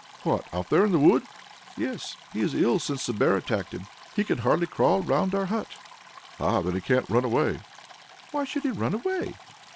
"What? Out there in the wood?" "Yes; he is ill since the bear attacked him. He can hardly crawl round our hut." "Ah! then he can't run away." "Why should he run away?"